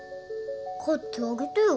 帰ってあげてよ。